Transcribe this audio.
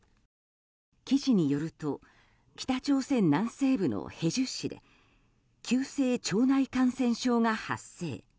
記事によると北朝鮮南西部のヘジュ市で急性腸内感染症が発生。